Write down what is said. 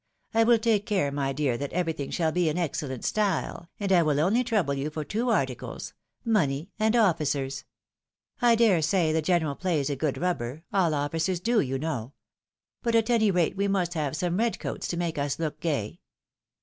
I will take care, my dear, that everything shall be in excellent style, and I will only trouble you for two articles — money and officers. I dare say the general plays a good rubber, — all officers do, you know. But at any rate we must have some red coats to make us look gay."